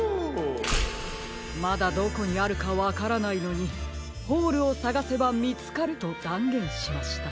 まだどこにあるかわからないのに「ホールをさがせばみつかる」とだんげんしました。